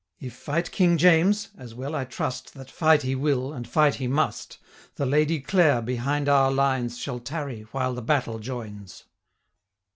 If fight King James, as well I trust, That fight he will, and fight he must, The Lady Clare behind our lines Shall tarry, while the battle joins.'